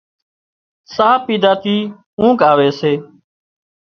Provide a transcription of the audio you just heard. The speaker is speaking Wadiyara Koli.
ساهَه پيڌا ٿي اونگھ آوي سي